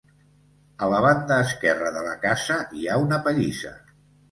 A la banda esquerra de la casa hi ha una pallissa.